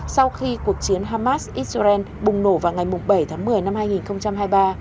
sau khi cuộc chiến hamas israel bùng nổ vào ngày bảy tháng một mươi năm hai nghìn hai mươi ba